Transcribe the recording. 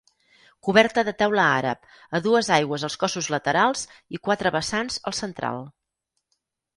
Coberta de teula àrab, a dues aigües els cossos laterals i quatre vessants el central.